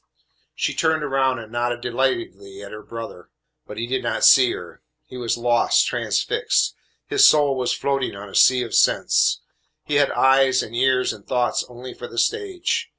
She turned around and nodded delightedly at her brother, but he did not see her. He was lost, transfixed. His soul was floating on a sea of sense. He had eyes and ears and thoughts only for the stage.